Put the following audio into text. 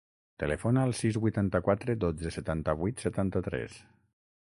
Telefona al sis, vuitanta-quatre, dotze, setanta-vuit, setanta-tres.